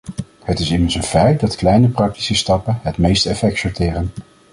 Het is immers een feit dat kleine praktische stappen het meeste effect sorteren.